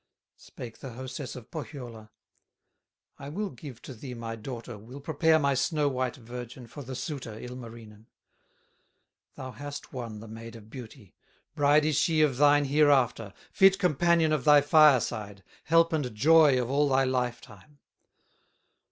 Spake the hostess of Pohyola: "I will give to thee my daughter, Will prepare my snow white virgin, For the suitor, Ilmarinen; Thou hast won the Maid of Beauty, Bride is she of thine hereafter, Fit companion of thy fireside, Help and joy of all thy lifetime."